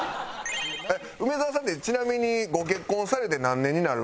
梅沢さんってちなみにご結婚されて何年になるんですか？